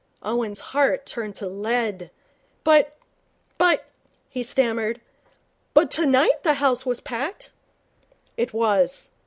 Owen's heart turned to lead. 'But but ' he stammered. 'But tonight the house was packed.' 'It was.